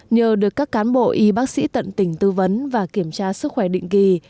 nhờ được các cán bộ y bác sĩ tận tỉnh tư vấn và kiểm tra sức khỏe định kỳ